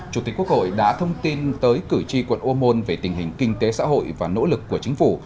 chủ tịch quốc hội đã thông tin tới cử tri quận ô môn về tình hình kinh tế xã hội và nỗ lực của chính phủ